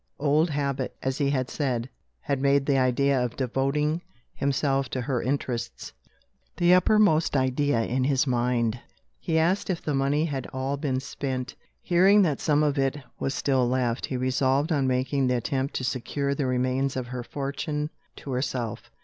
Old habit (as he had said) had made the idea of devoting himself to her interests the uppermost idea in his mind. He asked if the money had all been spent. Hearing that some of it was still left, he resolved on making the attempt to secure the remains of her fortune to herself.